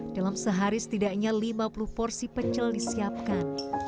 dalam sehari setidaknya lima puluh porsi pecel disiapkan